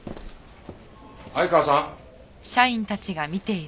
相川さん？